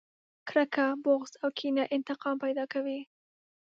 کرکه، بغض او کينه انتقام پیدا کوي.